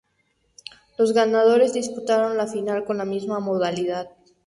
Los ganadores disputaron la final, con la misma modalidad.